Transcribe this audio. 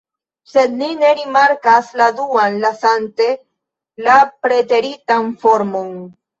Sed li ne rimarkas la duan, lasante la preteritan formon.